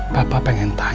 papa pengen tanya